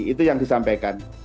itu yang disampaikan